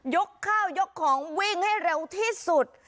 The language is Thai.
ยกข้าวยกของวิ่งให้เร็วที่สุด